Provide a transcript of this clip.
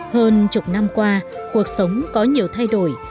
hơn chục năm qua cuộc sống có nhiều thay đổi